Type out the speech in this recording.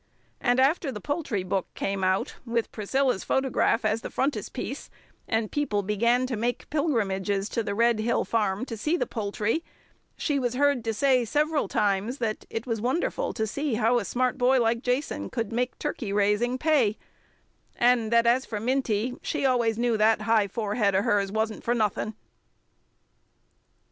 And after the poultry book came out with Priscilla's photograph as a frontispiece, and people began to make pilgrimages to the Red Hill farm to see the poultry, she was heard to say several times that "it was wonderful to see how a smart boy like Jason could make turkey raising pay," and that "as for Minty, she always knew that high forehead of hers wasn't for nothing."